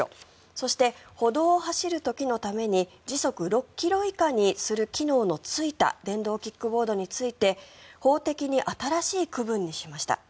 そして、歩道を走る時のために時速６ｋｍ以下にする機能のついた電動キックボードについて法的に新しい区分にしました。